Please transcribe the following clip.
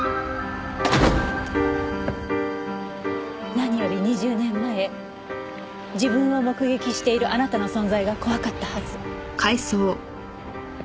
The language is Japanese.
何より２０年前自分を目撃しているあなたの存在が怖かったはず。